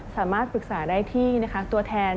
สามารถปรึกษาได้ที่ตัวแทน